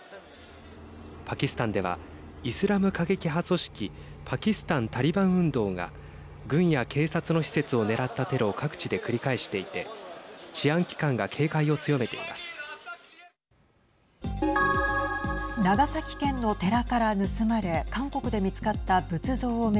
パキスタンではイスラム過激派組織パキスタン・タリバン運動が軍や警察の施設を狙ったテロを各地で繰り返していて治安機関が警戒を強めています。